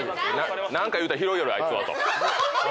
何か言うたら拾いよるあいつはと。